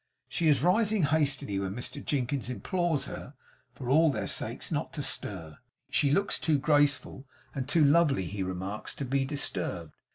She is rising hastily, when Mr Jinkins implores her, for all their sakes, not to stir; she looks too graceful and too lovely, he remarks, to be disturbed.